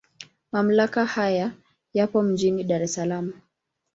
Mamlaka haya yapo mjini Dar es Salaam.